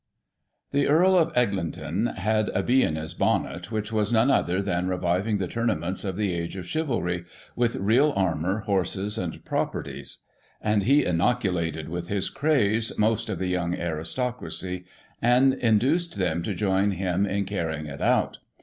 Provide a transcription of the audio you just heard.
The Earl of Eglinton had a " bee in his bonnet," which was nope other than reviving the tournaments of the Age of Chivalry, with real armour, horses and properties; and he inoculated with his craze most of the young aristocracy, and induced them to join him in carrying it out.